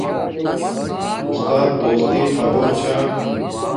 اُستات دوستی خبور چھا